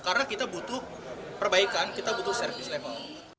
karena kita butuh perbaikan kita butuh service level